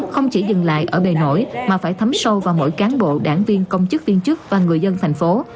không chỉ dừng lại ở bề nổi mà phải thấm sâu vào mỗi cán bộ đảng viên công chức viên chức và người dân thành phố